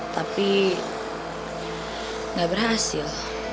tapi gak berhasil